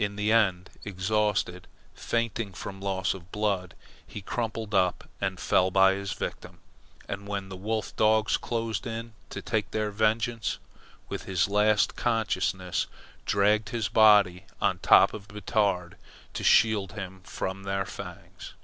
In the end, exhausted, fainting from loss of blood, he crumpled up and fell by his victim, and when the wolf dogs closed in to take their vengeance, with his last consciousness dragged his body on top of Batard to shield him from their fangs.